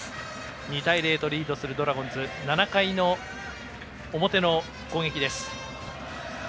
２対０とリードするドラゴンズ、７回の表の攻撃です。